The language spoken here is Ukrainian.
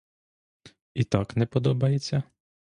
І так не подобається?